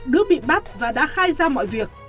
đức bị bắt và đã khai ra mọi việc